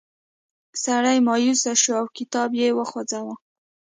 سړی مایوسه شو او کتاب یې وسوځاوه.